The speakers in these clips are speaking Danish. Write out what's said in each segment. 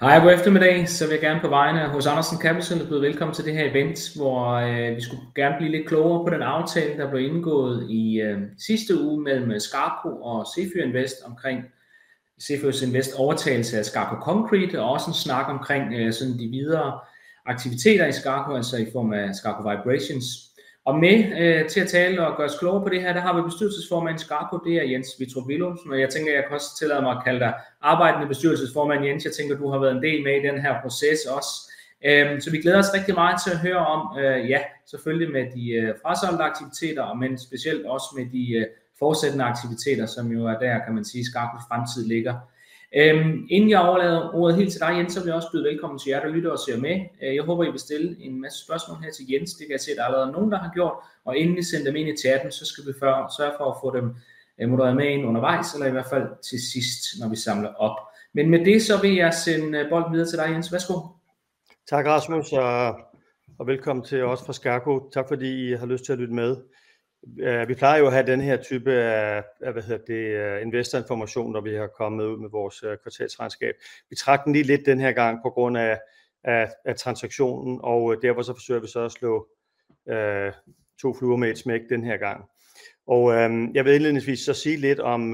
Hej og god eftermiddag! Så vil jeg gerne på vegne af H.J. Andersen Capital byde velkommen til det her event, hvor vi skulle gerne blive lidt klogere på den aftale, der blev indgået i sidste uge mellem Scarpo og Zephyr Invest omkring Zephyr Invests overtagelse af Scarpo Concrete og også en snak omkring de videre aktiviteter i Scarpo i form af Scarpo Vibrations. Og med til at tale og gøre os klogere på det her, der har vi Bestyrelsesformand i Scarpo. Det er Jens Vittrup Villumsen, og jeg tænker, at jeg kan også tillade mig at kalde dig arbejdende Bestyrelsesformand. Jens, jeg tænker, at du har været en del med i den her proces også, så vi glæder os rigtig meget til at høre om, selvfølgelig med de frasolgte aktiviteter, men specielt også med de fortsatte aktiviteter, som jo er der, kan man sige Scarpos fremtid ligger. Inden jeg overlader ordet helt til dig Jens, så vil jeg også byde velkommen til jer, der lytter og ser med. Jeg håber, I vil stille en masse spørgsmål her til Jens. Det kan jeg se, at der allerede er nogen, der har gjort, og inden vi sender dem ind i chatten, så skal vi sørge for at få dem modereret med ind undervejs eller i hvert fald til sidst, når vi samler op. Men med det, så vil jeg sende bolden videre til dig Jens. Værsgo. Tak Rasmus og velkommen til os fra Scarpo. Tak fordi I har lyst til at lytte med. Vi plejer jo at have den her type af investor information, når vi er kommet ud med vores kvartalsregnskab. Vi trak den lige lidt denne her gang på grund af transaktionen og derfor så forsøger vi så at slå to fluer med et smæk denne her gang. Og jeg vil indledningsvis sige lidt om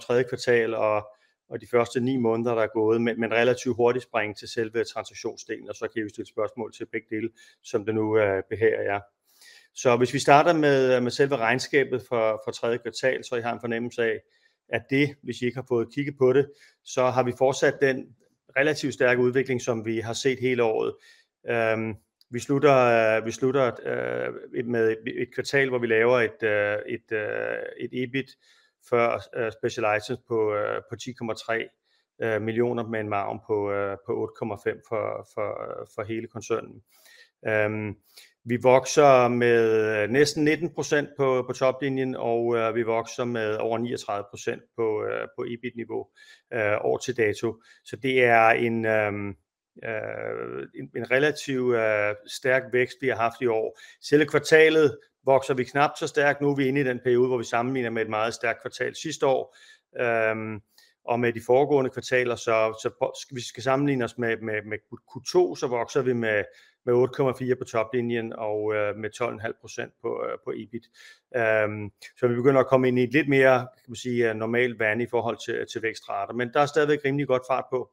tredje kvartal og de første ni måneder, der er gået, men relativt hurtigt springe til selve transaktionsdelen. Og så kan I stille spørgsmål til begge dele, som det nu behager jer. Hvis vi starter med selve regnskabet for tredje kvartal, så I har en fornemmelse af, at det, hvis I ikke har fået kigget på det, så har vi fortsat den relativt stærke udvikling, som vi har set hele året. Vi slutter. Vi slutter med et kvartal, hvor vi laver et EBIT før specialposter på 10,3 millioner med en margin på 8,5% for hele koncernen. Vi vokser med næsten 19% på toplinjen, og vi vokser med over 39% på EBIT niveau år til dato. Så det er en relativ stærk vækst vi har haft i år. Selve kvartalet vokser vi knap så stærkt. Nu er vi inde i den periode, hvor vi sammenligner med et meget stærkt kvartal sidste år og med de foregående kvartaler. Så hvis vi skal sammenligne os med Q2, så vokser vi med 8,4% på toplinjen og med 12,5% på EBIT. Så vi begynder at komme ind i et lidt mere normalt vande i forhold til vækstrater. Men der er stadigvæk rimelig godt fart på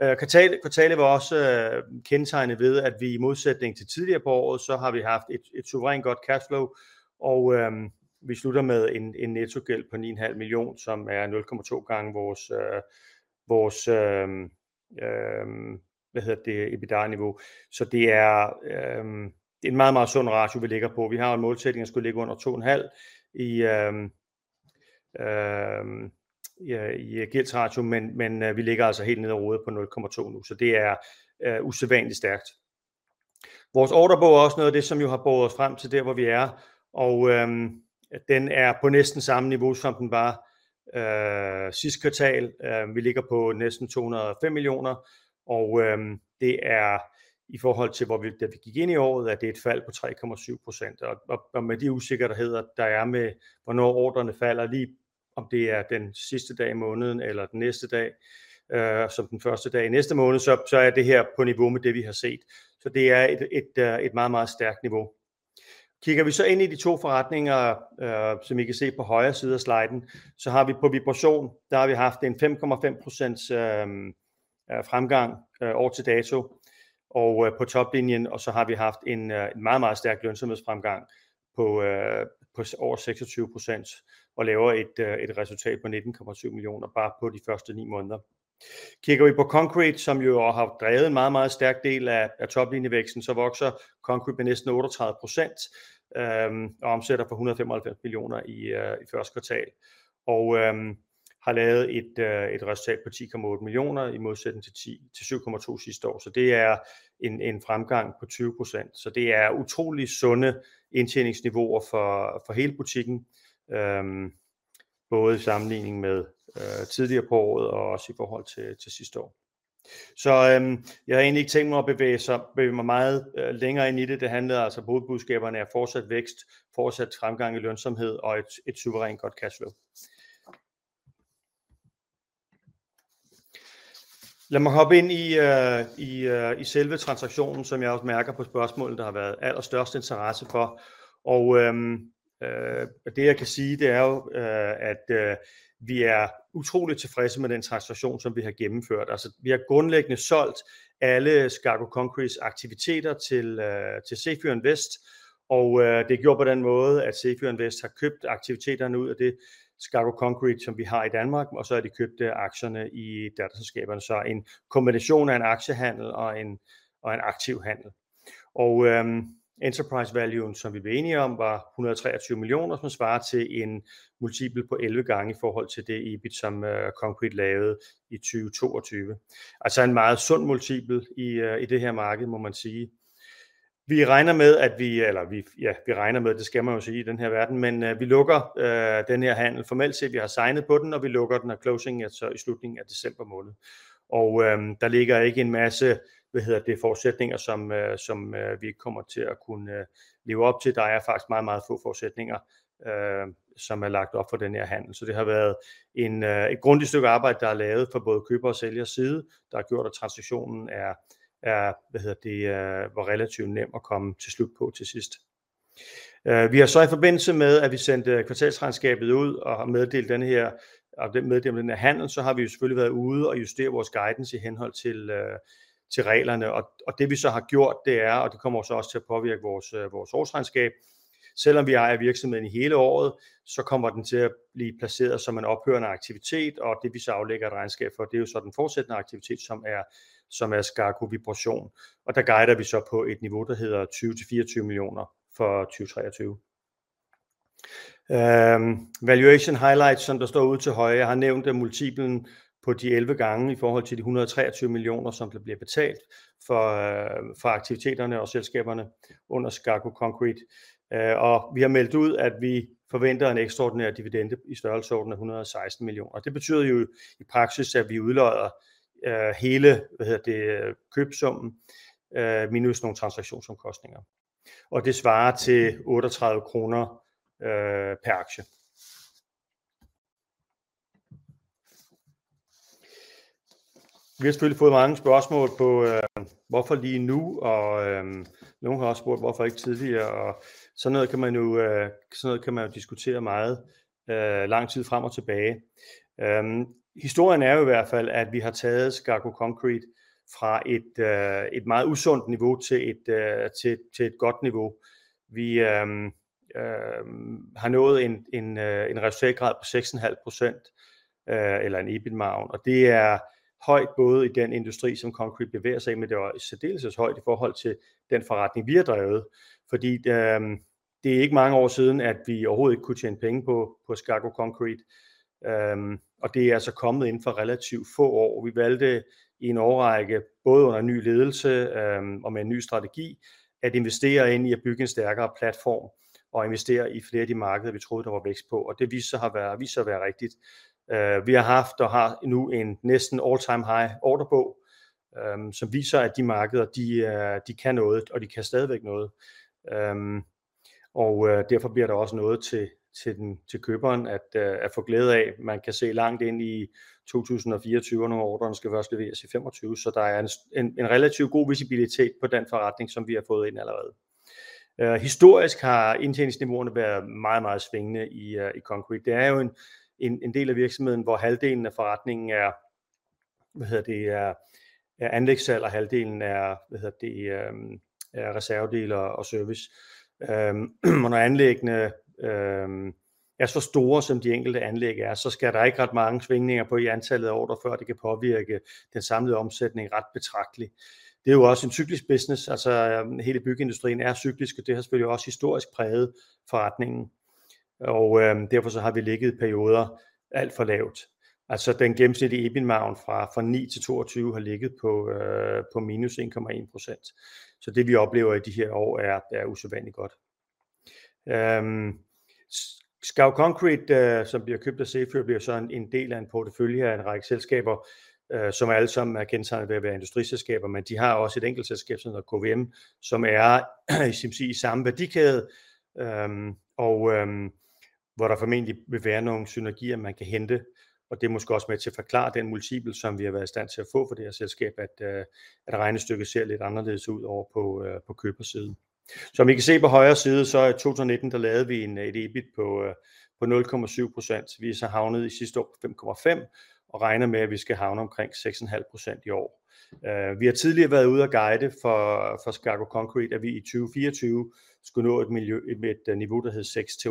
kvartalet. Kvartalet var også kendetegnet ved, at vi i modsætning til tidligere på året så har vi haft et suverænt godt cashflow, og vi slutter med en nettogæld på 9,5 millioner, som er 0,2 gange vores EBITDA niveau. Så det er en meget, meget sund ratio vi ligger på. Vi har jo en målsætning at skulle ligge under to en halv i gældsratio, men vi ligger altså helt nede og roder på 0,2 nu, så det er usædvanlig stærkt. Vores ordrebog er også noget af det, som jo har båret os frem til der, hvor vi er, og den er på næsten samme niveau, som den var sidste kvartal. Vi ligger på næsten 205 millioner, og det er i forhold til, hvor vi, da vi gik ind i året, er det et fald på 3,7%. Og med de usikkerheder, der er med, hvornår ordrerne falder, lige om det er den sidste dag i måneden eller den næste dag som den første dag i næste måned, så er det her på niveau med det, vi har set. Det er et meget, meget stærkt niveau. Kigger vi ind i de to forretninger, som I kan se på højre side af sliden, så har vi på vibration. Der har vi haft en 5,5% fremgang år til dato på toplinjen. Vi har haft en meget, meget stærk lønsomhedsfremgang på over 26% og laver et resultat på 19,7 millioner bare på de første ni måneder. Kigger vi på Concrete, som jo har drevet en meget, meget stærk del af toplinjevæksten, så vokser Concrete med næsten 38% og omsætter for 195 millioner i første kvartal og har lavet et resultat på 10,8 millioner i modsætning til 7,2 sidste år. Så det er en fremgang på 20%. Så det er utroligt sunde indtjeningsniveauer for hele butikken, både i sammenligning med tidligere på året og også i forhold til sidste år. Så jeg har egentlig ikke tænkt mig at bevæge mig meget længere ind i det. Det handlede altså hovedbudskaberne er fortsat vækst, fortsat fremgang i lønsomhed og et suverænt godt cashflow. Lad mig hoppe ind i selve transaktionen, som jeg også mærker på spørgsmålene, der har været allerstørst interesse for. Og det jeg kan sige, er jo, at vi er utroligt tilfredse med den transaktion, som vi har gennemført. Altså, vi har grundlæggende solgt alle Scarpo Concrete aktiviteter til Zephyr Invest, og det er gjort på den måde, at Zephyr Invest har købt aktiviteterne ud af det Scarpo Concrete, som vi har i Danmark, og så har de købt aktierne i datterselskaberne. Så en kombination af en aktiehandel og en aktivhandel og enterprise value, som vi blev enige om, var 123 millioner, som svarer til en multipel på 11 gange i forhold til det EBIT, som Concrete lavede i 2022. Altså en meget sund multipel i det her marked, må man sige. Vi regner med, at vi lukker den her handel formelt set. Vi har signet på den, og vi lukker den, og closing er så i slutningen af december måned, og der ligger ikke en masse forudsætninger, som vi ikke kommer til at kunne leve op til. Der er faktisk meget, meget få forudsætninger, som er lagt op fra den her handel, så det har været et grundigt stykke arbejde, der er lavet fra både køber og sælgers side. Der har gjort, at transaktionen er relativt nem at komme til slut på til sidst. Vi har så i forbindelse med, at vi sendte kvartalsregnskabet ud og meddelte denne handel, så har vi jo selvfølgelig været ude og justere vores guidance i henhold til reglerne og det, vi så har gjort, det er, og det kommer jo så også til at påvirke vores årsregnskab. Selvom vi ejer virksomheden i hele året, så kommer den til at blive placeret som en ophørende aktivitet, og det vi så aflægger et regnskab for, det er jo så den fortsatte aktivitet, som er Skako Vibration, og der guider vi så på et niveau, der hedder 20 til 24 millioner for 2023. Valuation highlights, som der står ude til højre. Jeg har nævnt multiplen på de 11 gange i forhold til de 123 millioner, som der bliver betalt for aktiviteterne og selskaberne under Skako Concrete. Vi har meldt ud, at vi forventer en ekstraordinær dividende i størrelsesordenen 116 millioner. Det betyder jo i praksis, at vi udlodder hele købssummen minus nogle transaktionsomkostninger, og det svarer til 38 kroner pr. aktie. Vi har selvfølgelig fået mange spørgsmål på hvorfor lige nu? Nogle har også spurgt hvorfor ikke tidligere? Og sådan noget kan man jo diskutere meget lang tid frem og tilbage. Historien er jo i hvert fald, at vi har taget Skako Concrete fra et meget usundt niveau til et godt niveau. Vi har nået en resultatgrad på 6,5% eller en EBIT-margen, og det er højt både i den industri, som Concrete bevæger sig i. Men det er i særdeleshed højt i forhold til den forretning, vi har drevet, fordi det er ikke mange år siden, at vi overhovedet ikke kunne tjene penge på Skako Concrete, og det er altså kommet inden for relativt få år. Vi valgte i en årrække både under ny ledelse og med en ny strategi at investere i at bygge en stærkere platform og investere i flere af de markeder, vi troede, der var vækst på. Og det viste sig at have vist sig at være rigtigt. Vi har haft og har nu en næsten all time high ordrebog, som viser, at de markeder de kan noget, og de kan stadigvæk noget, og derfor bliver der også noget til køberen at få glæde af. Man kan se langt ind i 2024, og når ordrerne skal først leveres i 2025, så der er en relativ god visibilitet på den forretning, som vi har fået ind allerede. Historisk har indtjeningsniveauerne været meget, meget svingende i Concrete. Det er jo en del af virksomheden, hvor halvdelen af forretningen er anlægssalg og halvdelen er service. Er reservedele og service, og når anlæggene er så store, som de enkelte anlæg er, så skal der ikke ret mange svingninger på i antallet af ordrer, før det kan påvirke den samlede omsætning ret betragteligt. Det er jo også en cyklisk business. Altså hele byggeindustrien er cyklisk, og det har selvfølgelig også historisk præget forretningen, og derfor har vi ligget i perioder alt for lavt. Altså, den gennemsnitlige EBIT-margen fra ni til toogtyve har ligget på minus 1,1%. Så det vi oplever i de her år, er usædvanlig godt. Skako Concrete, som bliver købt af Zephyr, bliver så en del af en portefølje af en række selskaber, som alle sammen er kendetegnet ved at være industriselskaber. Men de har også et enkelt selskab, som hedder KVM, som er i samme værdikæde, og hvor der formentlig vil være nogle synergier, man kan hente. Og det er måske også med til at forklare den multipel, som vi har været i stand til at få for det her selskab. At regnestykket ser lidt anderledes ud ovre på købersiden. Som I kan se på højre side, så i 2019, der lavede vi et EBIT på 0,7%. Vi er så havnet i sidste år på 5,5% og regner med, at vi skal havne omkring 6,5% i år. Vi har tidligere været ude og guide for Skako Concrete, at vi i 2024 skulle nå et niveau med et niveau, der hed 6% til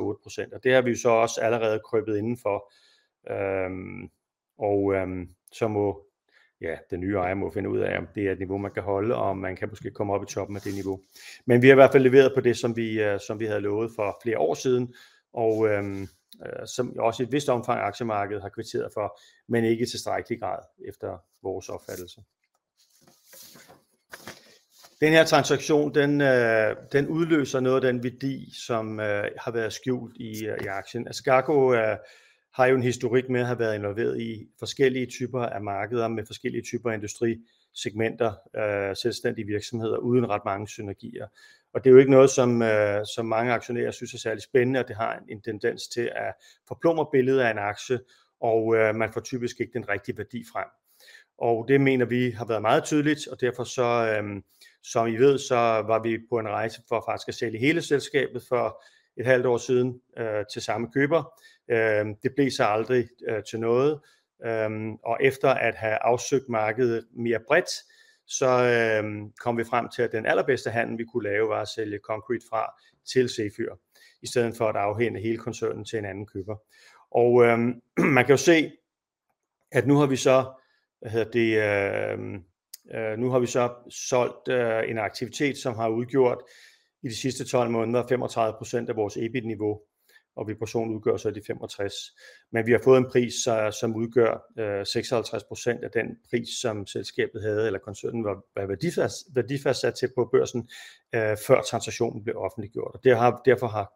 8%, og det har vi jo så også allerede krøbet indenfor. Og så må den nye ejer finde ud af, om det er et niveau, man kan holde, og man kan måske komme op i toppen af det niveau. Men vi har i hvert fald leveret på det, som vi havde lovet for flere år siden, og som også i et vist omfang aktiemarkedet har kvitteret for, men ikke i tilstrækkelig grad efter vores opfattelse. Den her transaktion udløser noget af den værdi, som har været skjult i aktien. Skako har jo en historik med at have været involveret i forskellige typer af markeder med forskellige typer af industrisegmenter. Selvstændige virksomheder uden ret mange synergier. Det er jo ikke noget, som så mange aktionærer synes er særlig spændende, og det har en tendens til at forplumre billedet af en aktie, og man får typisk ikke den rigtige værdi frem, og det mener vi har været meget tydeligt. Derfor, som I ved, var vi på en rejse for faktisk at sælge hele selskabet for et halvt år siden til samme køber. Det blev så aldrig til noget, og efter at have afsøgt markedet mere bredt, så kom vi frem til, at den allerbedste handel, vi kunne lave, var at sælge Concrete fra til Zephyr i stedet for at afhænde hele koncernen til en anden køber. Og man kan jo se, at nu har vi så solgt en aktivitet, som har udgjort i de sidste tolv måneder, 35% af vores EBIT niveau, og vibrationen udgør så de 65%. Men vi har fået en pris, som udgør 56% af den pris, som selskabet havde, eller koncernen var værdifastsat til på børsen, før transaktionen blev offentliggjort. Derfor har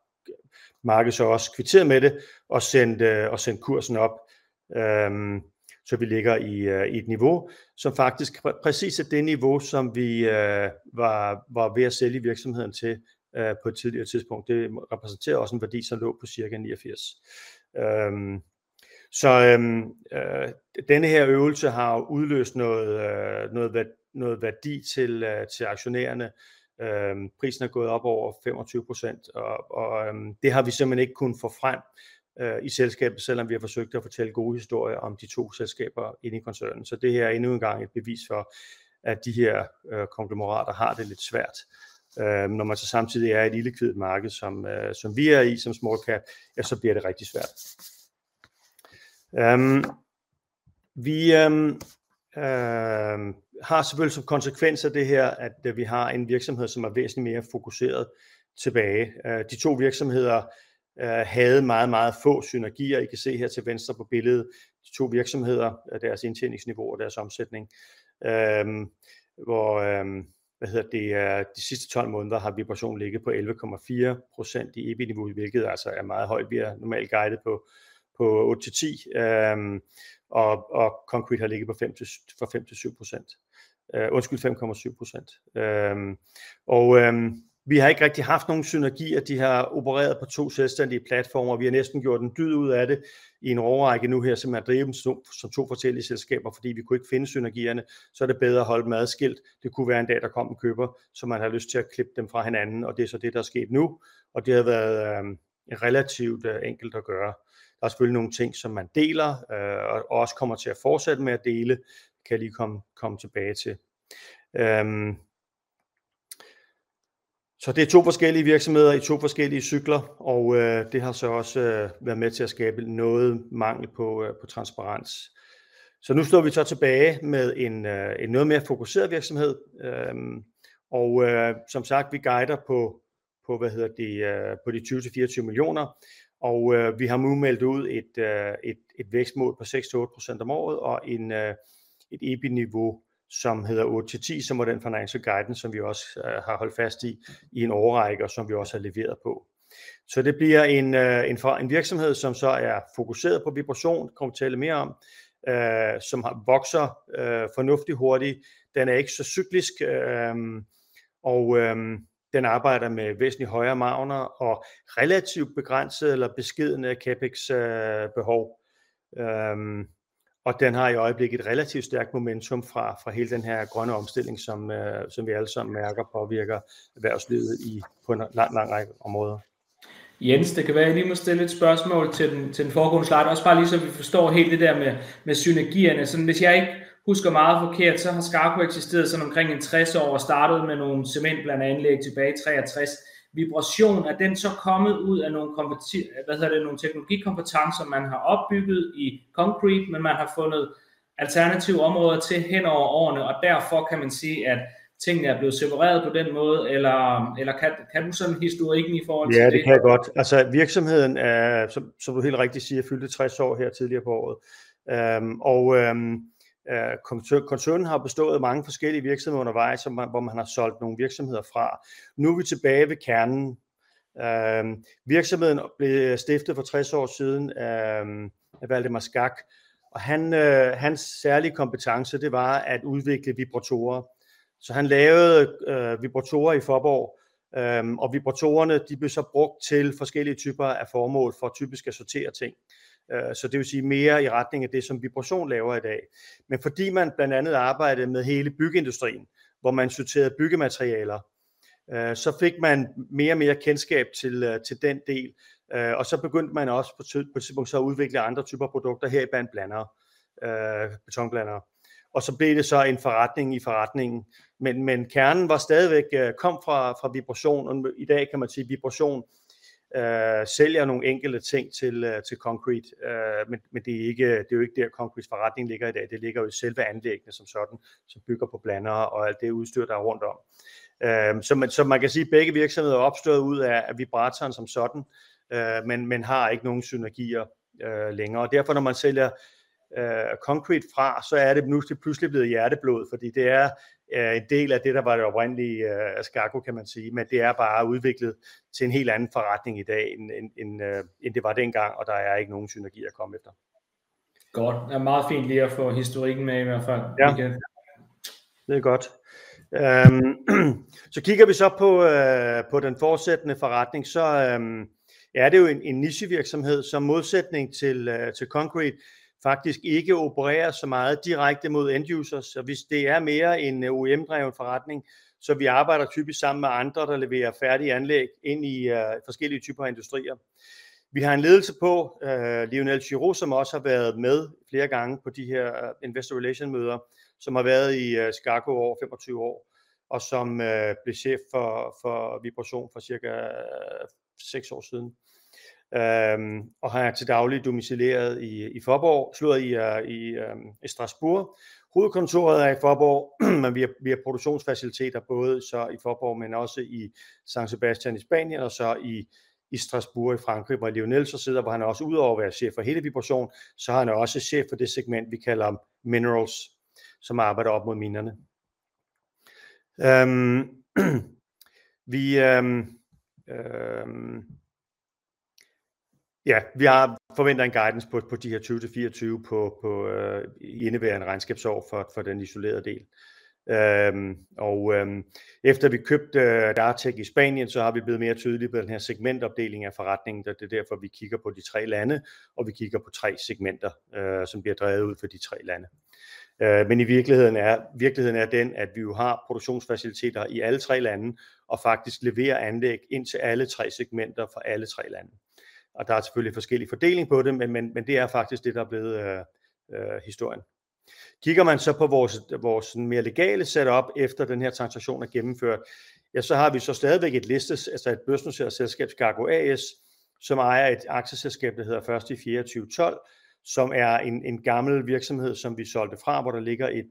markedet så også kvitteret med det og sendt kursen op, så vi ligger i et niveau, som faktisk præcis er det niveau, som vi var ved at sælge virksomheden til på et tidligere tidspunkt. Det repræsenterer også en værdi, som lå på cirka 90%. Så denne her øvelse har udløst noget værdi til aktionærerne. Prisen er gået op over 25%, og det har vi simpelthen ikke kunnet få frem i selskabet, selvom vi har forsøgt at fortælle gode historier om de to selskaber inde i koncernen. Så det her er endnu en gang et bevis for, at de her konglomerater har det lidt svært, når man så samtidig er i et ildekviet marked, som vi er i som Small Cap. Ja, så bliver det rigtig svært. Har selvfølgelig som konsekvens af det her, at vi har en virksomhed, som er væsentligt mere fokuseret tilbage. De to virksomheder havde meget, meget få synergier. I kan se her til venstre på billedet. De to virksomheder, deres indtjeningsniveau og deres omsætning. Hvor de sidste 12 måneder har vibrationen ligget på 11,4% i EBIT niveau, hvilket altså er meget højt. Vi er normalt guidet på på otte til ti, og Concrete har ligget på fem til 7%. Vi har ikke rigtig haft nogen synergier. De har opereret på to selvstændige platforme, og vi har næsten gjort en dyd ud af det i en årrække nu. Her simpelthen at drive dem som to forskellige selskaber, fordi vi kunne ikke finde synergierne. Så er det bedre at holde dem adskilt. Det kunne være en dag, der kom en køber, som havde lyst til at klippe dem fra hinanden, og det er det, der er sket nu, og det har været relativt enkelt at gøre. Der er selvfølgelig nogle ting, som man deler og også kommer til at fortsætte med at dele. Det kan jeg lige komme tilbage til. Det er to forskellige virksomheder i to forskellige cykler, og det har også været med til at skabe noget mangel på transparens. Nu står vi tilbage med en noget mere fokuseret virksomhed. Som sagt vi guider på de tyve til fireogtyve millioner. Og vi har nu meldt ud et vækstmål på 6-8% om året og et EBIT-niveau, som hedder 8-10%, som var den financial guidance, som vi også har holdt fast i i en årrække, og som vi også har leveret på. Så det bliver en virksomhed, som så er fokuseret på vibration. Kommer til at tale mere om, som vokser fornuftigt hurtigt. Den er ikke så cyklisk, og den arbejder med væsentligt højere marginer og relativt begrænsede eller beskedne CapEx-behov. Og den har i øjeblikket et relativt stærkt momentum fra hele den her grønne omstilling, som vi alle sammen mærker påvirker erhvervslivet på en lang, lang række områder. Jens, det kan være, jeg lige må stille et spørgsmål til den foregående slide. Også bare lige så vi forstår helt det der med synergier. Så hvis jeg ikke husker meget forkert, så har Skak eksisteret sådan omkring 60 år og startede med nogle cementblander anlæg tilbage i 63. Vibration er den så kommet ud af nogle kompetencer? Nogle teknologikompetencer man har opbygget i Concrete. Men man har fundet alternative områder til hen over årene, og derfor kan man sige, at tingene er blevet separeret på den måde. Eller kan du sådan historikken i forhold til? Det kan jeg godt. Altså, virksomheden er, som du helt rigtigt siger, fyldte 60 år her tidligere på året, og koncernen har bestået af mange forskellige virksomheder undervejs, hvor man har solgt nogle virksomheder fra. Nu er vi tilbage ved kernen. Virksomheden blev stiftet for 60 år siden af Valdemar Skak og han. Hans særlige kompetence var at udvikle vibratorer, så han lavede vibratorer i Faaborg og vibratorerne. De blev så brugt til forskellige typer af formål for typisk at sortere ting. Så det vil sige mere i retning af det, som vibration laver i dag. Men fordi man blandt andet arbejdede med hele byggeindustrien, hvor man sorterede byggematerialer, så fik man mere og mere kendskab til den del. Og så begyndte man også på et tidspunkt at udvikle andre typer produkter, heriblandt blandere, betonblandere. Og så blev det så en forretning i forretningen. Kernen var stadigvæk kom fra vibration, og i dag kan man sige, at vibration sælger nogle enkelte ting til Concrete. Men det er ikke det er jo ikke der, Concrete forretningen ligger i dag. Det ligger jo i selve anlæggene som sådan, som bygger på blandere og alt det udstyr, der er rundt om. Så man kan sige, at begge virksomheder er opstået ud af vibratoren som sådan. Men har ikke nogen synergier længere, og derfor når man sælger Concrete fra, så er det pludselig blevet hjerteblod, fordi det er en del af det, der var det oprindelige Skak, kan man sige. Men det er bare udviklet til en helt anden forretning i dag, end det var dengang, og der er ikke nogen synergier at komme efter. Godt og meget fint lige at få historikken med i hvert fald igen. Det er godt. Så kigger vi så på den fortsatte forretning, så er det jo en nichevirksomhed, som i modsætning til Concrete faktisk ikke opererer så meget direkte mod end users. Så det er mere en OEM-drevet forretning, så vi arbejder typisk sammen med andre, der leverer færdige anlæg ind i forskellige typer af industrier. Vi har en ledelse på Lionel Giro, som også har været med flere gange på de her Investor Relations-møder, som har været i Skak over 25 år, og som blev chef for vibration fra cirka seks år siden, og har til daglig domicil i Strasbourg. Hovedkontoret er i Faaborg, men vi har produktionsfaciliteter både i Faaborg, men også i San Sebastian i Spanien og så i Strasbourg i Frankrig, hvor Lionel så sidder. Ud over at være chef for hele vibrationen, så er han også chef for det segment, vi kalder Minerals, som arbejder op mod minerne. Vi har forventet en guidance på de her 20 til 24 på indeværende regnskabsår for den isolerede del. Efter vi købte Dartec i Spanien, så er vi blevet mere tydelige på den her segmentopdeling af forretningen. Det er derfor, vi kigger på de tre lande, og vi kigger på tre segmenter, som bliver drevet ud fra de tre lande. Men i virkeligheden er virkeligheden den, at vi jo har produktionsfaciliteter i alle tre lande og faktisk leverer anlæg ind til alle tre segmenter fra alle tre lande. Der er selvfølgelig forskellig fordeling på det. Men det er faktisk det, der er blevet historien. Kigger man så på vores mere legale setup efter den her transaktion er gennemført, ja, så har vi så stadigvæk et listet, altså et børsnoteret selskab, Skako A/S, som ejer et aktieselskab, der hedder Første i 24 12, som er en gammel virksomhed, som vi solgte fra, hvor der ligger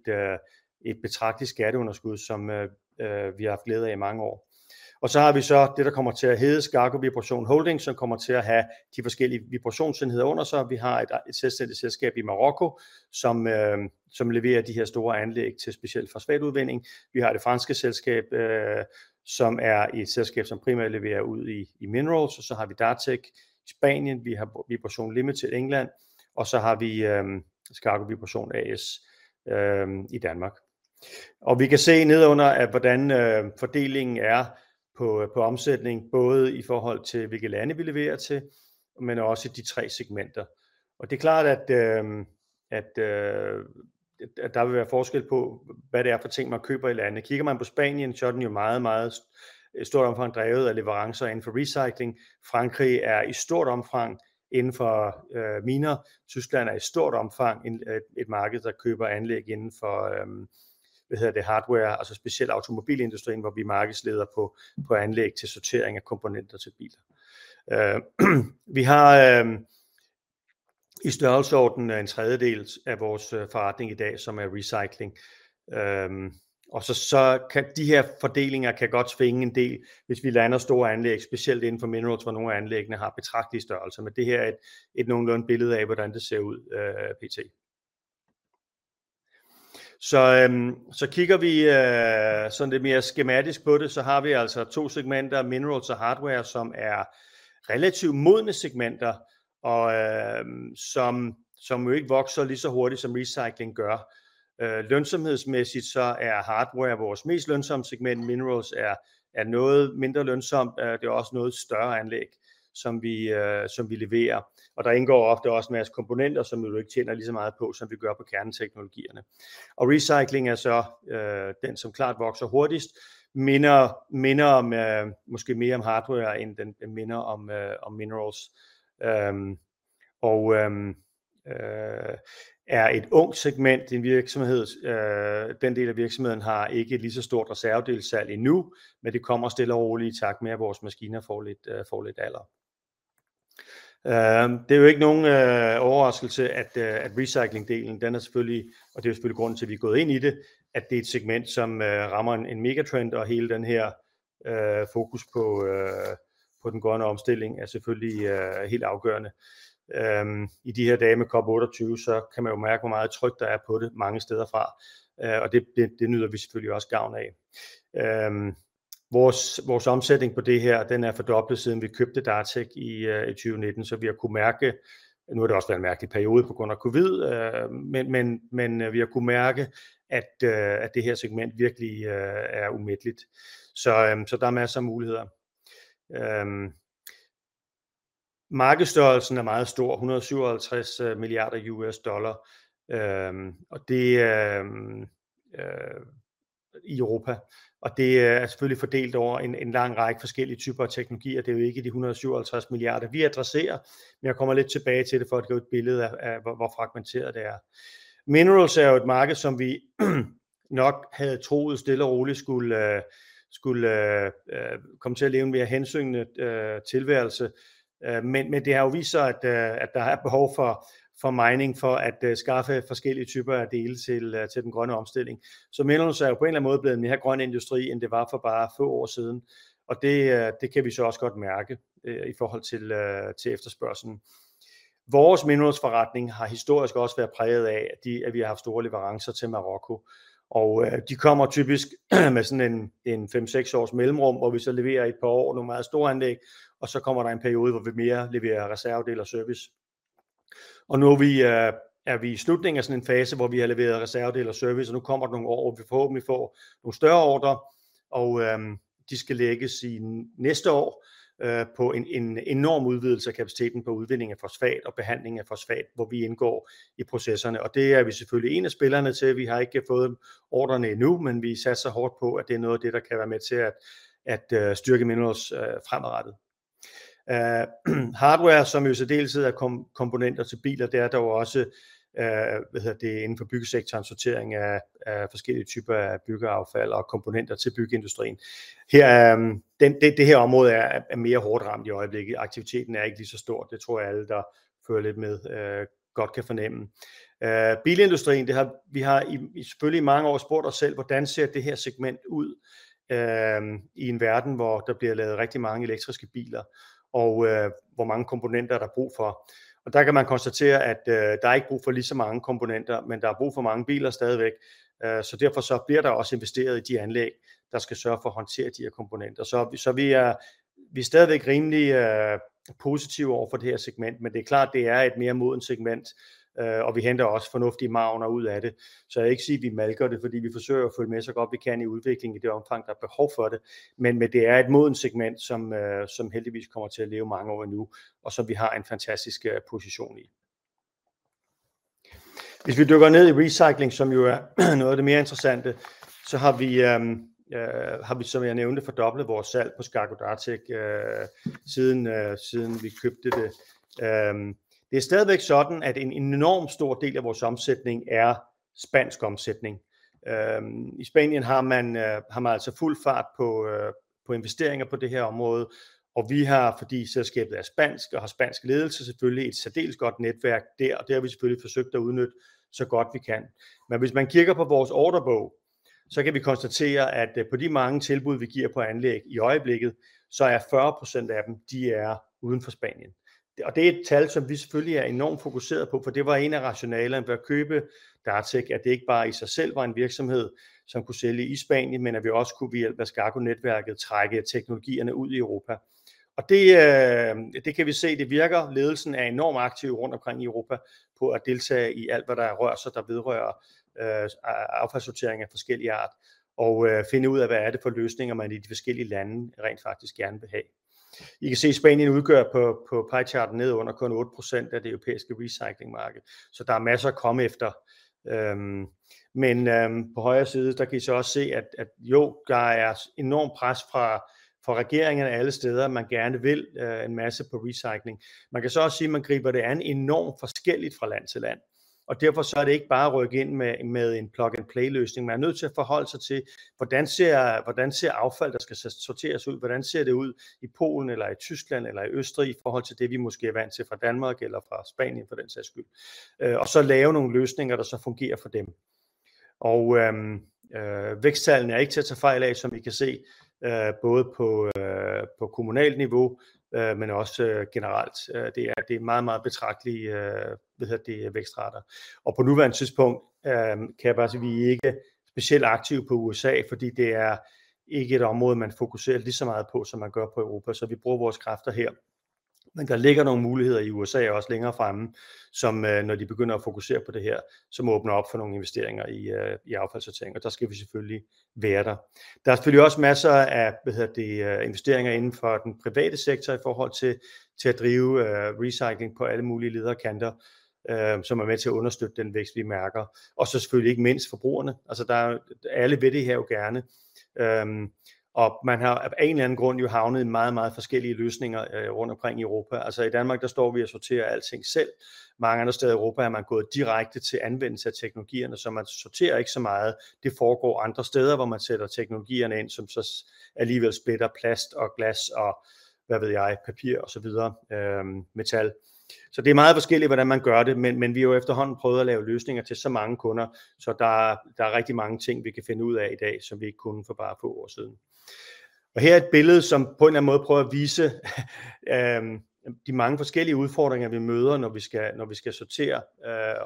et betragteligt skatteunderskud, som vi har haft glæde af i mange år. Så har vi det, der kommer til at hedde Skako Vibration Holding, som kommer til at have de forskellige vibrations enheder under sig. Vi har et selvstændigt selskab i Marokko, som leverer de her store anlæg til specielt fosfat udvinding. Vi har det franske selskab, som er et selskab, som primært leverer ud i Minerals, og så har vi Dartec i Spanien. Vi har Vibration Limited England, og så har vi Skako Vibration A/S i Danmark, og vi kan se nedenunder, hvordan fordelingen er på omsætning, både i forhold til hvilke lande vi leverer til, men også de tre segmenter. Det er klart, at der vil være forskel på, hvad det er for ting, man køber i landene. Kigger man på Spanien, så er den jo meget i stort omfang drevet af leverancer inden for recycling. Frankrig er i stort omfang inden for miner. Tyskland er i stort omfang et marked, der køber anlæg inden for hardware, altså specielt automobilindustrien, hvor vi er markedsleder på anlæg til sortering af komponenter til biler. Vi har i størrelsesordenen en tredjedel af vores forretning i dag, som er recycling, og så kan de her fordelinger godt svinge en del, hvis vi lander store anlæg, specielt inden for minerals, hvor nogle af anlæggene har betragtelige størrelser. Men det her er et nogenlunde billede af, hvordan det ser ud pt. Kigger vi sådan lidt mere skematisk på det, så har vi altså to segmenter Minerals og Hardware, som er relativt modne segmenter, og som jo ikke vokser lige så hurtigt, som recycling gør. Lønsomhedsmæssigt så er hardware vores mest lønsomme segment. Minerals er noget mindre lønsomt. Det er også noget større anlæg, som vi leverer, og der indgår ofte også en masse komponenter, som vi ikke tjener lige så meget på, som vi gør på kerneteknologierne. Recycling er så den, som klart vokser hurtigst. Minder minder om måske mere om hardware, end den minder om minerals. Og er et ungt segment i en virksomhed. Den del af virksomheden har ikke et lige så stort reservedelssalg endnu, men det kommer stille og roligt, i takt med at vores maskiner får lidt alder. Det er jo ikke nogen overraskelse, at recycling delen er selvfølgelig, og det er jo selvfølgelig grunden til, at vi er gået ind i det, at det er et segment, som rammer en mega trend. Hele den her fokus på den grønne omstilling er selvfølgelig helt afgørende i de her dage med COP 28, så kan man jo mærke, hvor meget tryk der er på det mange steder fra, og det nyder vi selvfølgelig også gavn af. Vores omsætning på det her er fordoblet, siden vi købte Dartec i 2019, så vi har kunnet mærke. Nu har det også været en mærkelig periode på grund af COVID. Men vi har kunnet mærke, at det her segment virkelig er umætteligt, så der er masser af muligheder. Markedsstørrelsen er meget stor. $157 milliarder i Europa. Det er selvfølgelig fordelt over en lang række forskellige typer af teknologier. Det er jo ikke de $157 milliarder, vi adresserer, men jeg kommer lidt tilbage til det for at give et billede af, hvor fragmenteret det er. Minerals er jo et marked, som vi nok havde troet stille og roligt skulle komme til at leve en mere hensygnende tilværelse. Men det har jo vist sig, at der er behov for mining for at skaffe forskellige typer af dele til den grønne omstilling. Så minerals er jo på en eller anden måde blevet en mere grøn industri, end det var for bare få år siden, og det kan vi så også godt mærke i forhold til efterspørgslen. Vores minerals forretning har historisk også været præget af, at vi har haft store leverancer til Marokko, og de kommer typisk med sådan en 5-6 års mellemrum, hvor vi så leverer i et par år nogle meget store anlæg, og så kommer der en periode, hvor vi mere leverer reservedele og service. Nu er vi i slutningen af sådan en fase, hvor vi har leveret reservedele og service. Nu kommer der nogle år, hvor vi forhåbentlig får nogle større ordrer, og de skal lægges i næste år på en enorm udvidelse af kapaciteten på udvinding af fosfat og behandling af fosfat, hvor vi indgår i processerne. Og det er vi selvfølgelig en af spillerne til. Vi har ikke fået ordrerne endnu, men vi satser hårdt på, at det er noget af det, der kan være med til at styrke minerals fremadrettet. Hardware, som jo i særdeleshed er komponenter til biler. Det er dog også inden for byggesektoren. Sortering af forskellige typer af byggeaffald og komponenter til byggeindustrien. Det her område er mere hårdt ramt i øjeblikket. Aktiviteten er ikke lige så stor. Det tror jeg, alle, der følger lidt med, godt kan fornemme. Bilindustrien har... Vi har selvfølgelig i mange år spurgt os selv: Hvordan ser det her segment ud i en verden, hvor der bliver lavet rigtig mange elektriske biler? Og hvor mange komponenter er der brug for? Og der kan man konstatere, at der er ikke brug for lige så mange komponenter. Men der er brug for mange biler stadigvæk, så derfor bliver der også investeret i de anlæg, der skal sørge for at håndtere de her komponenter. Så vi er stadigvæk rimelig positive over for det her segment, men det er klart, at det er et mere modent segment, og vi henter også fornuftige marginer ud af det. Så jeg vil ikke sige, at vi malker det, fordi vi forsøger at følge med, så godt vi kan i udviklingen i det omfang, der er behov for det. Men det er et modent segment, som heldigvis kommer til at leve mange år endnu, og som vi har en fantastisk position i. Hvis vi dykker ned i recycling, som jo er noget af det mere interessante, så har vi, som jeg nævnte, fordoblet vores salg på Scacco Tech siden vi købte det. Det er stadigvæk sådan, at en enormt stor del af vores omsætning er spansk omsætning. I Spanien har man fuld fart på investeringer på det her område, og vi har, fordi selskabet er spansk og har spansk ledelse, selvfølgelig et særdeles godt netværk der, og det har vi selvfølgelig forsøgt at udnytte så godt vi kan. Men hvis man kigger på vores ordrebog, så kan vi konstatere, at på de mange tilbud vi giver på anlæg i øjeblikket, så er 40% af dem uden for Spanien, og det er et tal, som vi selvfølgelig er enormt fokuseret på. For det var en af rationalerne ved at købe Dartech, at det ikke bare i sig selv var en virksomhed, som kunne sælge i Spanien, men at vi også kunne ved hjælp af Scacco netværket trække teknologierne ud i Europa. Og det kan vi se. Det virker. Ledelsen er enormt aktive rundt omkring i Europa på at deltage i alt, hvad der rører sig, der vedrører affaldssortering af forskellig art og finde ud af, hvad er det for løsninger, man i de forskellige lande rent faktisk gerne vil have. I kan se Spanien udgør på pie chart nedenunder kun 8% af det europæiske recycling marked, så der er masser at komme efter. Men på højre side kan I også se, at jo, der er enormt pres fra regeringerne alle steder. Man vil gerne en masse på recycling. Man kan så også sige, at man griber det an enormt forskelligt fra land til land, og derfor er det ikke bare at rykke ind med en plug and play løsning. Man er nødt til at forholde sig til, hvordan ser affaldet ud, og hvordan ser affald, der skal sorteres ud? Hvordan ser det ud i Polen eller i Tyskland eller i Østrig i forhold til det, vi måske er vant til fra Danmark eller fra Spanien for den sags skyld? Og så lave nogle løsninger, der så fungerer for dem. Væksttallene er ikke til at tage fejl af. Som I kan se både på kommunalt niveau, men også generelt. Det er meget, meget betragtelige vækstrater, og på nuværende tidspunkt kan jeg bare sige, at vi er ikke specielt aktive på USA, fordi det er ikke et område, man fokuserer lige så meget på, som man gør på Europa. Så vi bruger vores kræfter her. Men der ligger nogle muligheder i USA også længere fremme, som når de begynder at fokusere på det her, som åbner op for nogle investeringer i affaldssortering. Der skal vi selvfølgelig være der. Der er selvfølgelig også masser af investeringer inden for den private sektor i forhold til at drive recycling på alle mulige ledder og kanter, som er med til at understøtte den vækst, vi mærker. Og så selvfølgelig ikke mindst forbrugerne. Der er alle vil det her jo gerne, og man har af en eller anden grund jo havnet i meget, meget forskellige løsninger rundt omkring i Europa. I Danmark der står vi og sorterer alting selv. Mange andre steder i Europa er man gået direkte til anvendelse af teknologierne, så man sorterer ikke så meget. Det foregår andre steder, hvor man sætter teknologierne ind, som så alligevel splitter plast og glas, og hvad ved jeg. Papir og så videre. Metal. Så det er meget forskelligt, hvordan man gør det. Men vi har jo efterhånden prøvet at lave løsninger til så mange kunder, så der er rigtig mange ting, vi kan finde ud af i dag, som vi ikke kunne for bare få år siden. Og her er et billede, som på en måde prøver at vise de mange forskellige udfordringer, vi møder, når vi skal sortere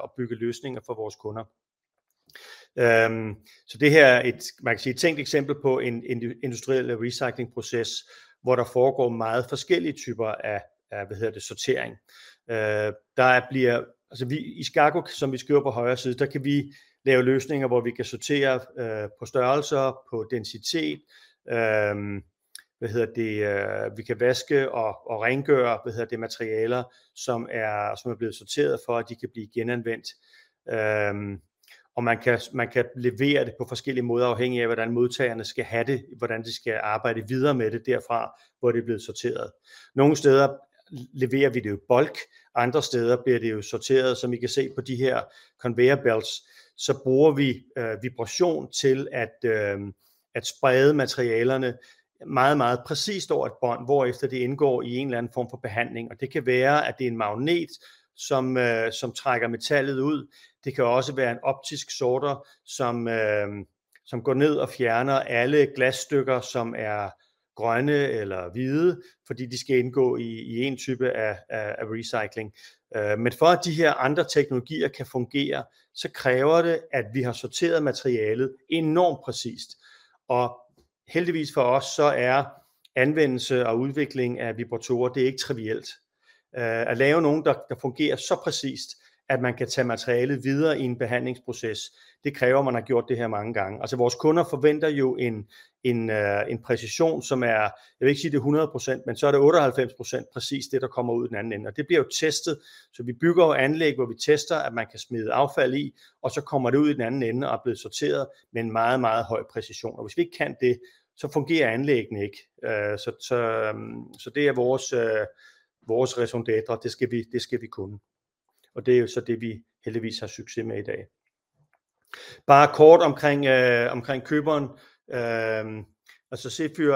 og bygge løsninger for vores kunder. Så det her er et tænkt eksempel på en industriel recycling proces, hvor der foregår meget forskellige typer af sortering. Der bliver altså i Scacco, som vi skriver på højre side. Der kan vi lave løsninger, hvor vi kan sortere på størrelser på densitet. Vi kan vaske og rengøre materialer, som er blevet sorteret, for at de kan blive genanvendt. Man kan levere det på forskellige måder, afhængigt af hvordan modtagerne skal have det, hvordan de skal arbejde videre med det. Derfra hvor det er blevet sorteret. Nogle steder leverer vi det i bulk. Andre steder bliver det sorteret. Som I kan se på de her konverter belts, så bruger vi vibration til at sprede materialerne meget, meget præcist over et bånd, hvorefter det indgår i en eller anden form for behandling. Det kan være, at det er en magnet, som trækker metallet ud. Det kan også være en optisk sorter, som går ned og fjerner alle glasstykker, som er grønne eller hvide, fordi de skal indgå i en type af recycling. Men for at de her andre teknologier kan fungere, så kræver det, at vi har sorteret materialet enormt præcist. Heldigvis for os, så er anvendelse og udvikling af vibratorer ikke trivielt. At lave nogle, der fungerer så præcist, at man kan tage materialet videre i en behandlingsproces. Det kræver, at man har gjort det her mange gange. Vores kunder forventer jo en præcision, som er... Jeg vil ikke sige, at det er 100%, men så er det 98% præcist det, der kommer ud i den anden ende. Det bliver jo testet. Så vi bygger jo anlæg, hvor vi tester, at man kan smide affald i, og så kommer det ud i den anden ende og er blevet sorteret med en meget, meget høj præcision. Hvis vi ikke kan det, så fungerer anlæggene ikke. Så det er vores raison d'être. Det skal vi. Det skal vi kunne. Det er jo så det, vi heldigvis har succes med i dag. Bare kort omkring køberen. Zephyr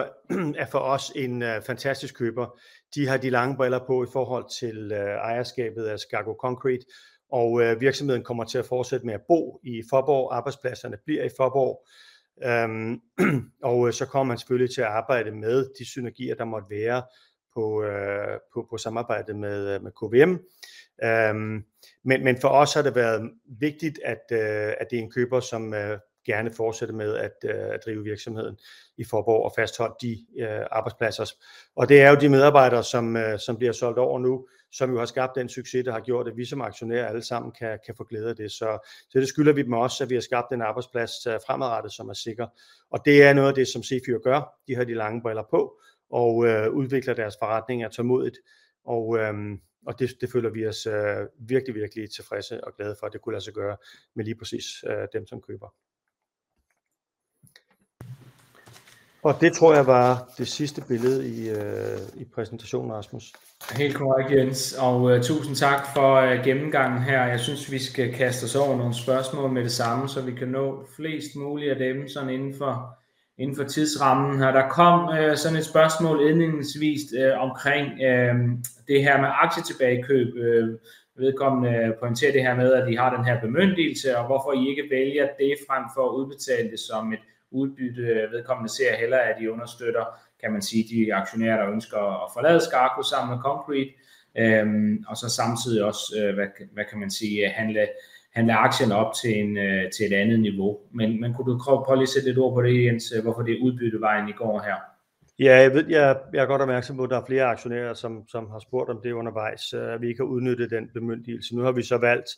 er for os en fantastisk køber. De har de lange briller på i forhold til ejerskabet af Scacco Concrete, og virksomheden kommer til at fortsætte med at bo i Faaborg. Arbejdspladserne bliver i Faaborg, og så kommer man selvfølgelig til at arbejde med de synergier, der måtte være på samarbejdet med KVM. Men for os har det været vigtigt, at det er en køber, som gerne fortsætter med at drive virksomheden i Faaborg og fastholde de arbejdspladser. Og det er jo de medarbejdere, som bliver solgt over nu, som jo har skabt den succes, der har gjort, at vi som aktionærer alle sammen kan få glæde af det. Så det skylder vi dem også, at vi har skabt en arbejdsplads fremadrettet, som er sikker. Og det er noget af det, som Zephyr gør. De har de lange briller på og udvikler deres forretning tålmodigt, og det føler vi os virkelig, virkelig tilfredse og glade for, at det kunne lade sig gøre med lige præcis dem som købere. Og det tror jeg var det sidste billede i præsentationen. Rasmus. Helt korrekt, Jens. Tusind tak for gennemgangen her. Jeg synes, vi skal kaste os over nogle spørgsmål med det samme, så vi kan nå flest muligt af dem inden for tidsrammen. Der kom et spørgsmål indledningsvist omkring det her med aktietilbagekøb. Vedkommende pointerer det her med, at I har den her bemyndigelse, og hvorfor I ikke vælger det frem for at udbetale det som et udbytte. Vedkommende ser hellere, at I understøtter, kan man sige, de aktionærer, der ønsker at forlade Scarco sammen med Concrete og så samtidig også. Hvad kan man sige? Handle aktierne op til et andet niveau. Men kunne du lige sætte lidt ord på det, Jens? Hvorfor udbyttevejen I går her? Ja, jeg er godt opmærksom på, at der er flere aktionærer, som har spurgt, om det undervejs, at vi ikke har udnyttet den bemyndigelse. Nu har vi så valgt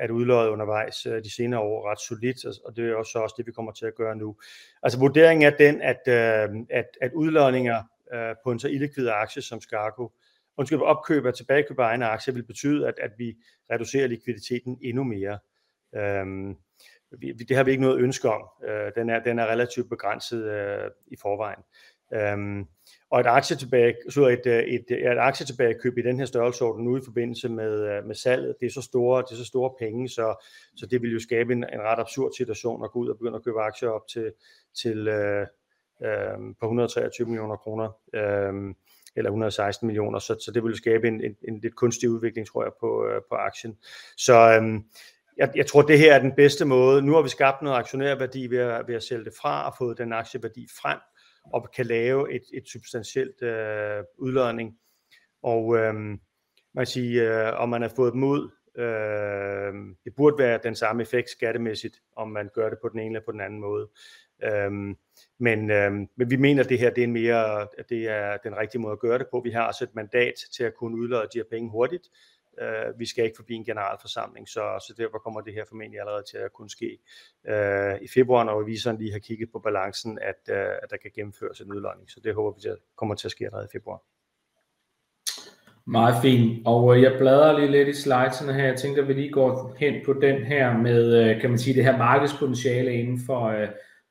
at udlodde undervejs de senere år ret solidt, og det er også det, vi kommer til at gøre nu. Altså, vurderingen er den, at udlodninger på en så illikvide aktie som Scarco. Undskyld, opkøb og tilbagekøb af egne aktier ville betyde, at vi reducerer likviditeten endnu mere. Det har vi ikke noget ønske om. Den er relativt begrænset i forvejen, og et aktietilbagekøb i den her størrelsesorden nu i forbindelse med salget. Det er så store penge, så det ville jo skabe en ret absurd situation at gå ud og begynde at købe aktier op til DKK 123 millioner eller DKK 116 millioner. Så det ville skabe en lidt kunstig udvikling, tror jeg på aktien, så jeg tror, det her er den bedste måde. Nu har vi skabt noget aktionærværdi ved at sælge det fra og fået den aktieværdi frem og kan lave en substantiel udlodning. Og hvad skal jeg sige? Om man har fået dem ud? Det burde være den samme effekt skattemæssigt, om man gør det på den ene eller på den anden måde. Men vi mener, at det her er mere. Det er den rigtige måde at gøre det på. Vi har også et mandat til at kunne udlodde de her penge hurtigt. Vi skal ikke forbi en generalforsamling, så derfor kommer det her formentlig allerede til at kunne ske i februar, når revisoren lige har kigget på balancen. At der kan gennemføres en udlodning, så det håber vi kommer til at ske allerede i februar. Meget fint. Og jeg bladrer lige lidt i slidesene her. Jeg tænker, at vi lige går hen på den her med, kan man sige, det her markedspotentiale inden for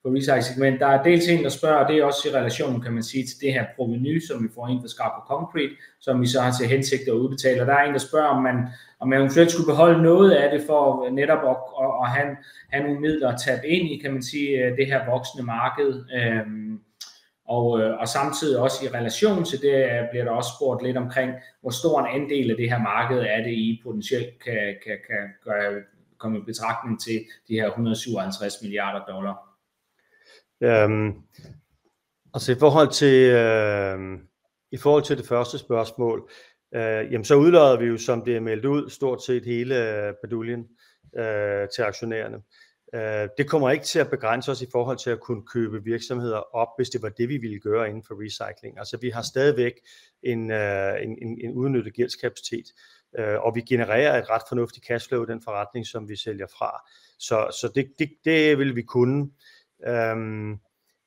recycling? Der er dels en, der spørger, og det er også i relation, kan man sige, til det her provenu, som vi får ind fra Scarpo Concrete, som vi så har til hensigt at udbetale. Og der er en, der spørger, om man eventuelt skulle beholde noget af det for netop at have nogle midler at tage fat i, kan man sige, det her voksende marked og samtidig også i relation til det. Bliver der også spurgt lidt omkring, hvor stor en andel af det her marked er det, I potentielt kan komme i betragtning til de her $157 milliarder? Altså i forhold til det første spørgsmål, jamen så udlodder vi jo, som det er meldt ud, stort set hele baduljen til aktionærerne. Det kommer ikke til at begrænse os i forhold til at kunne købe virksomheder op, hvis det var det, vi ville gøre inden for recycling. Altså, vi har stadigvæk en uudnyttet gældskapacitet, og vi genererer et ret fornuftigt cashflow i den forretning, som vi sælger fra. Så det vil vi kunne.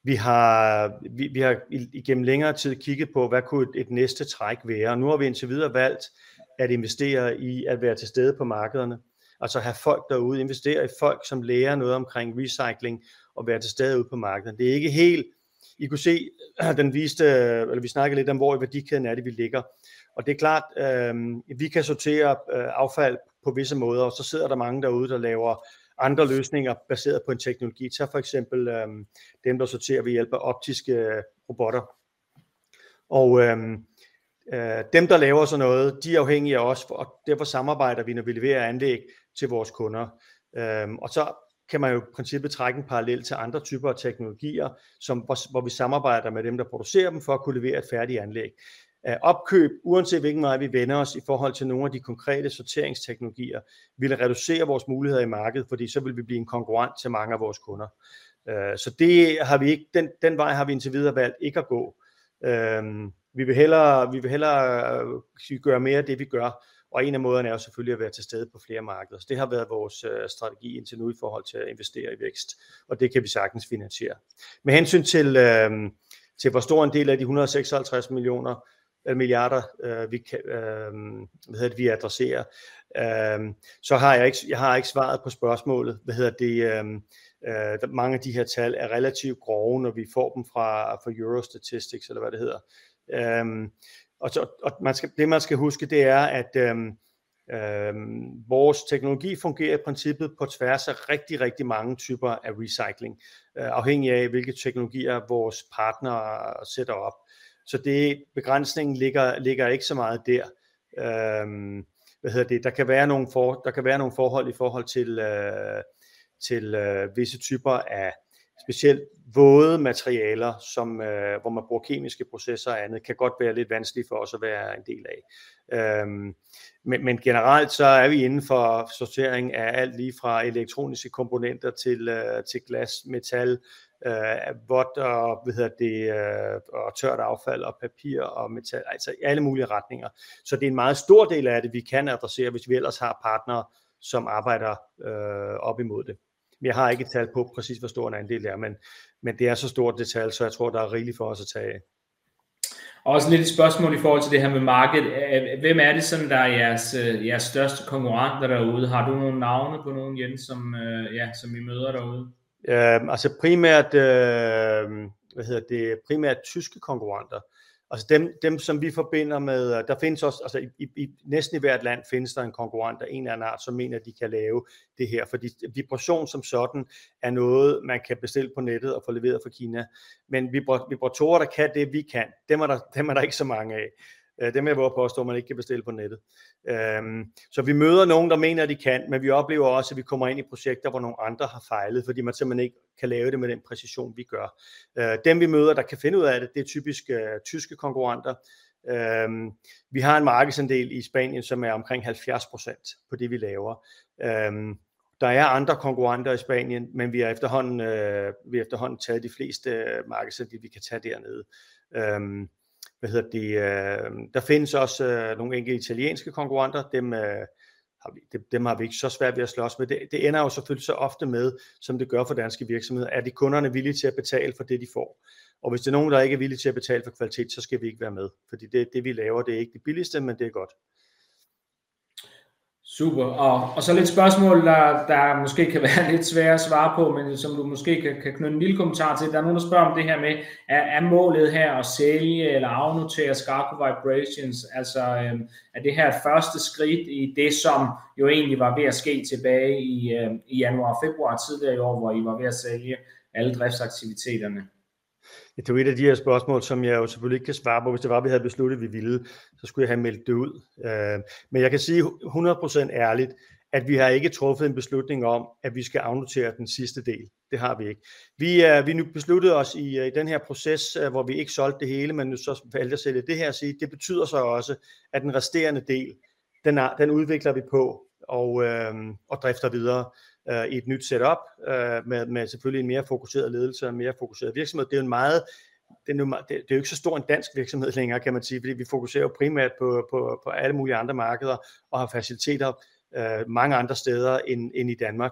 Vi har igennem længere tid kigget på, hvad kunne et næste træk være? Nu har vi indtil videre valgt at investere i at være til stede på markederne. Altså have folk derude, investere i folk, som lærer noget omkring recycling og være til stede ude på markederne. Det er ikke helt. I kunne se den viste, eller vi snakkede lidt om, hvor i værdikæden er det, vi ligger? Og det er klart, vi kan sortere affald på visse måder, og så sidder der mange derude, der laver andre løsninger baseret på en teknologi. Tag for eksempel dem, der sorterer ved hjælp af optiske robotter og dem, der laver sådan noget. De er afhængige af os, og derfor samarbejder vi, når vi leverer anlæg til vores kunder. Og så kan man jo i princippet trække en parallel til andre typer af teknologier, hvor vi samarbejder med dem, der producerer dem for at kunne levere et færdigt anlæg. Opkøb uanset hvilken vej vi vender os i forhold til nogle af de konkrete sorteringsteknologier, ville reducere vores muligheder i markedet, fordi så ville vi blive en konkurrent til mange af vores kunder, så det har vi ikke. Den vej har vi indtil videre valgt ikke at gå. Vi vil hellere gøre mere af det, vi gør. Og en af måder er jo selvfølgelig at være til stede på flere markeder. Det har været vores strategi indtil nu i forhold til at investere i vækst, og det kan vi sagtens finansiere. Med hensyn til hvor stor en del af de 156 millioner milliarder vi adresserer, så har jeg ikke svaret på spørgsmålet. Mange af de her tal er relativt grove, når vi får dem fra Eurostat. Og det man skal huske, er, at vores teknologi fungerer i princippet på tværs af rigtig, rigtig mange typer af recycling. Afhængig af hvilke teknologier vores partnere sætter op, så begrænsningen ligger ikke så meget der. Der kan være nogle, der kan være nogle forhold i forhold til visse typer af specielt våde materialer, som hvor man bruger kemiske processer og andet, kan godt være lidt vanskeligt for os at være en del af. Men generelt så er vi inden for sortering af alt lige fra elektroniske komponenter til glas, metal, vådt og tørt affald og papir og metal. Altså i alle mulige retninger. Så det er en meget stor del af det, vi kan adressere, hvis vi ellers har partnere, som arbejder op imod det. Jeg har ikke et tal på, præcis hvor stor en andel det er. Men det er så stort et tal, så jeg tror, der er rigeligt for os at tage af. Og så lidt et spørgsmål i forhold til det her med markedet. Hvem er det, som der er jeres største konkurrenter derude? Har du nogle navne på nogen, Jens, som I møder derude? Altså primært hvad hedder det? Primært tyske konkurrenter og dem, som vi forbinder med. Der findes også. Altså, i næsten hvert land findes der en konkurrent af en eller anden art, som mener, at de kan lave det her. For vibration som sådan er noget, man kan bestille på nettet og få leveret fra Kina. Men vibratorer, der kan det, vi kan, dem er der. Dem er der ikke så mange af. Dem jeg vover at påstå, at man ikke kan bestille på nettet. Så vi møder nogen, der mener, at de kan. Men vi oplever også, at vi kommer ind i projekter, hvor nogle andre har fejlet, fordi man simpelthen ikke kan lave det med den præcision, vi gør. Dem vi møder, der kan finde ud af det. Det er typisk tyske konkurrenter. Vi har en markedsandel i Spanien, som er omkring 70% på det, vi laver. Der er andre konkurrenter i Spanien, men vi har efterhånden taget de fleste markedsandele, vi kan tage dernede. Der findes også nogle enkelte italienske konkurrenter. Dem har vi ikke så svært ved at slås med. Det ender jo selvfølgelig så ofte med, som det gør for danske virksomheder. Er kunderne villige til at betale for det, de får? Hvis det er nogen, der ikke er villig til at betale for kvalitet, så skal vi ikke være med, fordi det, vi laver, det er ikke det billigste, men det er godt. Super! Og så lidt spørgsmål, der måske kan være lidt svære at svare på, men som du måske kan knytte en lille kommentar til. Der er nogen, der spørger om det her med: Er målet her at sælge eller afnotere Scarpa Vibrations? Altså er det her et første skridt i det, som jo egentlig var ved at ske tilbage i januar-februar tidligere i år, hvor I var ved at sælge alle driftsaktiviteterne? Det er jo et af de her spørgsmål, som jeg jo selvfølgelig ikke kan svare på. Hvis det var, vi havde besluttet, at vi ville, så skulle jeg have meldt det ud. Men jeg kan sige 100% ærligt, at vi har ikke truffet en beslutning om, at vi skal afnotere den sidste del. Det har vi ikke. Vi besluttede os i den her proces, hvor vi ikke solgte det hele, men valgte at sælge det her. Det betyder så også, at den resterende del, den udvikler vi på og drifter videre i et nyt setup. Med selvfølgelig en mere fokuseret ledelse og en mere fokuseret virksomhed. Det er en meget. Det er ikke så stor en dansk virksomhed længere, kan man sige. Fordi vi fokuserer primært på alle mulige andre markeder og har faciliteter mange andre steder end i Danmark.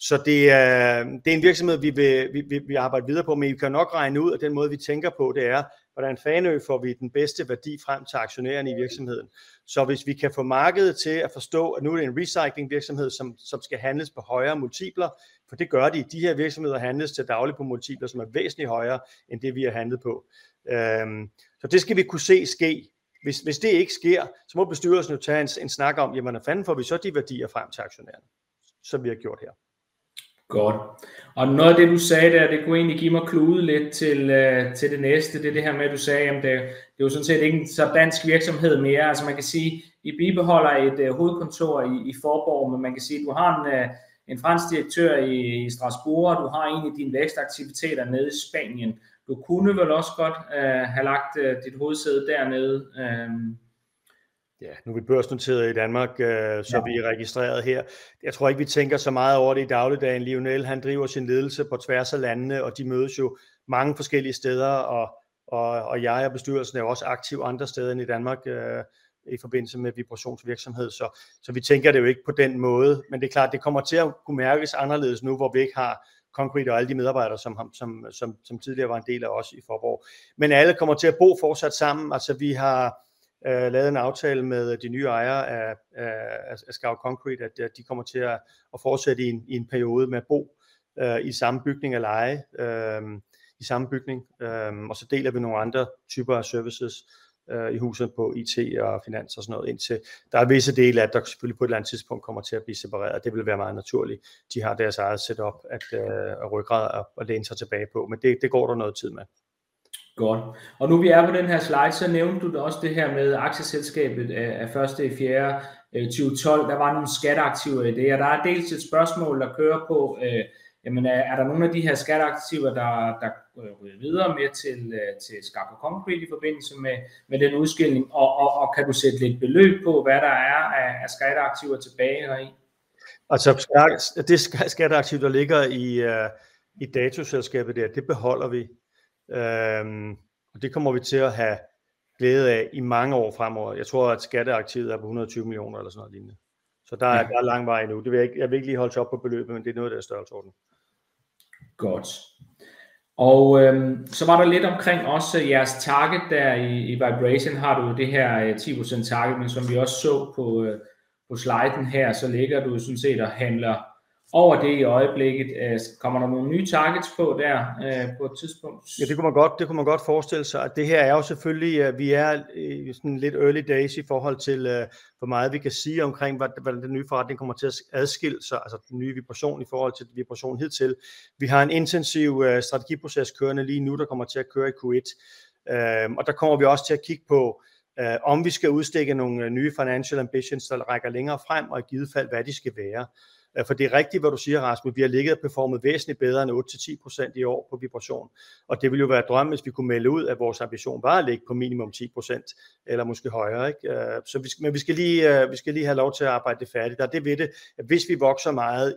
Så det er en virksomhed, vi vil arbejde videre på. Men I kan nok regne ud, at den måde vi tænker på, det er, hvordan fanden får vi den bedste værdi frem til aktionærerne i virksomheden? Hvis vi kan få markedet til at forstå, at nu er det en recycling virksomhed, som skal handles på højere multipler, for det gør de. De her virksomheder handles til daglig på multipler, som er væsentligt højere end det, vi har handlet på. Det skal vi kunne se ske. Hvis det ikke sker, så må bestyrelsen jo tage en snak om, hvordan fanden får vi så de værdier frem til aktionærerne, som vi har gjort her. Godt. Og noget af det, du sagde, det kunne egentlig give mig klude lidt til det næste. Det er det her med, at du sagde jamen det er jo sådan set ikke en dansk virksomhed mere. Altså, man kan sige, I bibeholder et hovedkontor i Faaborg, men man kan sige, at du har en fransk direktør i Strasbourg, og du har en af dine vækstaktiviteter nede i Spanien. Du kunne vel også godt have lagt dit hovedsæde dernede? Ja, nu er vi børsnoteret i Danmark, så vi er registreret her. Jeg tror ikke, vi tænker så meget over det i dagligdagen. Lionel han driver sin ledelse på tværs af landene, og de mødes jo mange forskellige steder, og jeg og bestyrelsen er også aktiv andre steder end i Danmark i forbindelse med virksomheden, så vi tænker det jo ikke på den måde. Men det er klart, at det kommer til at kunne mærkes anderledes nu, hvor vi ikke har Concrete og alle de medarbejdere, som tidligere var en del af os i Faaborg. Men alle kommer til at bo fortsat sammen. Altså, vi har lavet en aftale med de nye ejere af Concrete, at de kommer til at fortsætte i en periode med at bo i samme bygning og leje i samme bygning. Og så deler vi nogle andre typer af services i huset på IT og finans og sådan noget. Indtil der er visse dele af det, der selvfølgelig på et eller andet tidspunkt kommer til at blive separeret. Det vil være meget naturligt. De har deres eget setup at rygrad og læne sig tilbage på, men det går der noget tid med. Godt. Og nu vi er på den her slide, så nævnte du da også det her med aktieselskabet af 1.4 2012. Der var nogle skatteaktiver i det, og der er dels et spørgsmål, der kører på. Jamen, er der nogle af de her skatteaktiver, der kan ride videre med til Skarpe Concrete i forbindelse med den udskilning? Og kan du sætte lidt beløb på, hvad der er af skatteaktiver tilbage heri? Altså det skatteaktiv, der ligger i dataselskabet. Det beholder vi, og det kommer vi til at have glæde af i mange år fremover. Jeg tror, at skatteaktivet er på DKK 120 millioner eller sådan noget lignende, så der er lang vej endnu. Det ved jeg ikke. Jeg vil ikke lige holde mig op på beløbet, men det er noget i den størrelsesorden. Godt. Og så var der lidt omkring også jeres target. Der i Vibration har du det her 10% target, men som vi også så på sliden her, så ligger du jo sådan set og handler over det i øjeblikket. Kommer der nogle nye targets på der på et tidspunkt? Ja, det kunne man godt. Det kunne man godt forestille sig, at det her er jo selvfølgelig. Vi er sådan lidt early days i forhold til, hvor meget vi kan sige omkring, hvordan den nye forretning kommer til at adskille sig. Altså den nye vibration i forhold til vibrationen hidtil. Vi har en intensiv strategiproces kørende lige nu, der kommer til at køre i Q1, og der kommer vi også til at kigge på, om vi skal udstikke nogle nye financial ambitions, der rækker længere frem, og i givet fald, hvad de skal være. For det er rigtigt, hvad du siger, Rasmus. Vi har ligget og performet væsentligt bedre end 8 til 10% i år på vibration, og det ville jo være drømmen, hvis vi kunne melde ud, at vores ambition var at ligge på minimum 10% eller måske højere. Så vi skal lige. Vi skal lige have lov til at arbejde det færdigt. Der er det ved det, at hvis vi vokser meget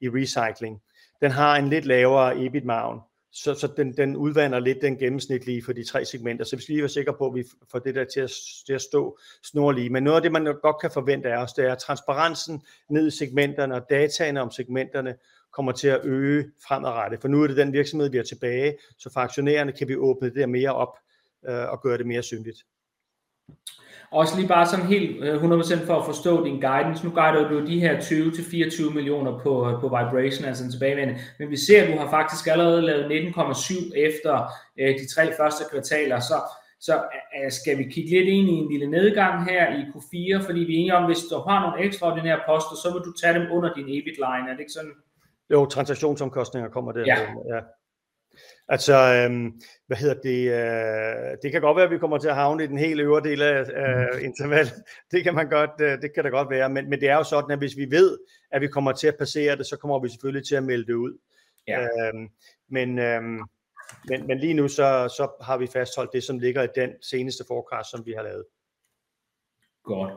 i recycling, den har en lidt lavere EBIT-margen, så den udvander lidt den gennemsnitlige for de tre segmenter. Så vi skal lige være sikre på, at vi får det til at stå snorlige. Men noget af det, man godt kan forvente af os, det er, at transparensen ned i segmenterne og dataene om segmenterne kommer til at øge fremadrettet. For nu er det den virksomhed, vi har tilbage, så for aktionærerne kan vi åbne det mere op og gøre det mere synligt. Også lige bare sådan helt 100% for at forstå din guidance. Nu guider du de her 20 til 24 millioner på vibration, altså den tilbagevendende. Men vi ser, at du har faktisk allerede lavet 19,7 efter de tre første kvartaler, så skal vi kigge lidt ind i en lille nedgang her i Q4, fordi vi er enige om, at hvis du har nogle ekstraordinære poster, så må du tage dem under din EBIT line. Er det ikke sådan? Jo, transaktionsomkostninger kommer der. Ja, altså hvad hedder det? Det kan godt være, at vi kommer til at havne i den helt øvre del af intervallet. Det kan man godt. Det kan da godt være. Men det er jo sådan, at hvis vi ved, at vi kommer til at passere det, så kommer vi selvfølgelig til at melde det ud. Men lige nu, så har vi fastholdt det, som ligger i den seneste forecast, som vi har lavet. Godt.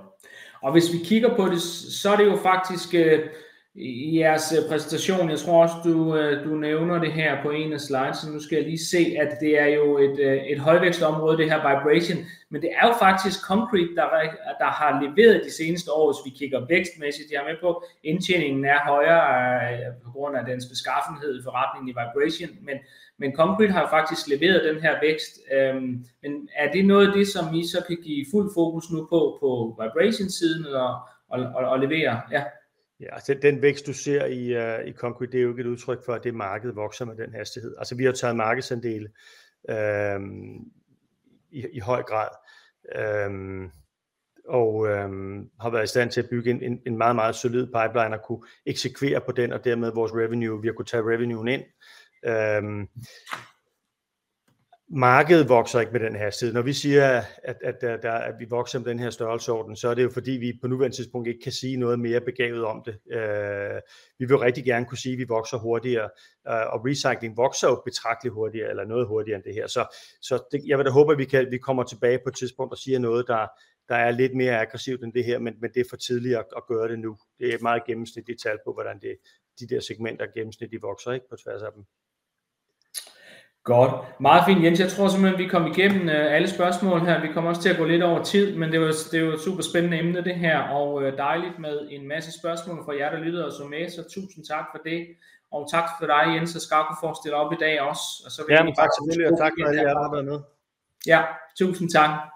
Og hvis vi kigger på det, så er det jo faktisk i jeres præsentation. Jeg tror også du nævner det her på en af slides, og nu skal jeg lige se, at det er jo et højvækstområde, det her vibration. Men det er jo faktisk Concrete, der har leveret i de seneste år, hvis vi kigger vækstmæssigt. Jeg er med på indtjeningen er højere på grund af dens beskaffenhed, forretningen i vibration. Men Concrete har jo faktisk leveret den her vækst. Men er det noget af det, som I så kan give fuld fokus nu på vibration siden og levere? Ja. Ja, den vækst du ser i Concrete, det er jo ikke et udtryk for, at det marked vokser med den hastighed. Altså, vi har taget markedsandele i høj grad og har været i stand til at bygge en meget, meget solid pipeline og kunne eksekvere på den og dermed vores revenue. Vi har kunnet tage revenuen ind. Markedet vokser ikke med den hastighed. Når vi siger, at vi vokser med den her størrelsesorden, så er det jo fordi vi på nuværende tidspunkt ikke kan sige noget mere begavet om det. Vi vil rigtig gerne kunne sige, at vi vokser hurtigere, og recycling vokser betragteligt hurtigere eller noget hurtigere end det her. Jeg vil da håbe, at vi kan. Vi kommer tilbage på et tidspunkt og siger noget der, der er lidt mere aggressivt end det her. Men det er for tidligt at gøre det nu. Det er et meget gennemsnitligt tal på, hvordan de segmenter gennemsnitligt vokser på tværs af dem. Godt. Meget fint. Jens, jeg tror simpelthen, vi kom igennem alle spørgsmål her. Vi kommer også til at gå lidt over tid, men det var super spændende emne det her og dejligt med en masse spørgsmål fra jer, der lyttede og så med. Så tusind tak for det og tak til dig Jens og Skafu for at stille op i dag også. Så vil jeg takke alle jer, der har været med. Ja, tusind tak.